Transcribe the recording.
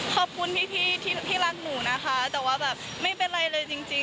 ขอบคุณพี่ที่รักหนูนะคะแต่ว่าแบบไม่เป็นไรเลยจริง